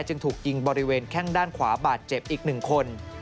จึงถูกยิงบริเวณแข้งด้านขวาบาดเจ็บอีก๑คน